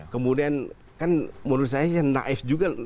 kemudian kan menurut saya naif juga